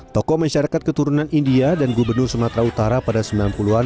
tokoh masyarakat keturunan india dan gubernur sumatera utara pada sembilan puluh an